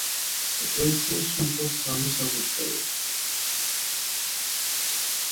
ეკლესიაში იყო სამი საკურთხეველი.